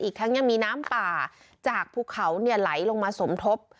ทั้งยังมีน้ำป่าจากภูเขาไหลลงมาสมทบ